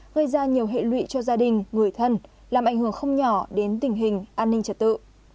gây ra nhiều hệ lụy cho gia đình người thân làm ảnh hưởng không nhỏ đến tình hình an ninh trật tự